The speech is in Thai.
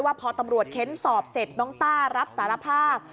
พอตำรวจเค้นสอบเสร็จน้องต้ารับสารภาพ